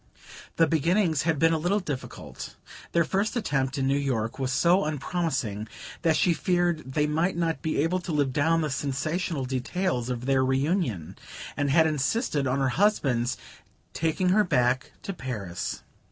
The beginnings had been a little difficult; their first attempt in New York was so unpromising that she feared they might not be able to live down the sensational details of their reunion, and had insisted on her husband's taking her back to Paris.